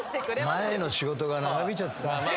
前の仕事が長引いちゃってさ